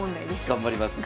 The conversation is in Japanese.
頑張ります。